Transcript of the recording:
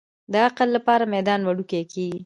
د عقل لپاره میدان وړوکی کېږي.